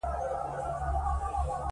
نيويارک ټايمز وايي،